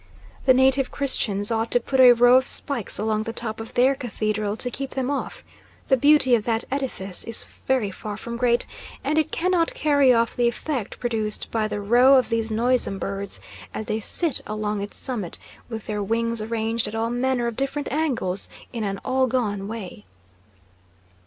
The native Christians ought to put a row of spikes along the top of their cathedral to keep them off; the beauty of that edifice is very far from great, and it cannot carry off the effect produced by the row of these noisome birds as they sit along its summit, with their wings arranged at all manner of different angles in an "all gone" way.